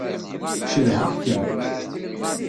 Cedhaɣ-kem.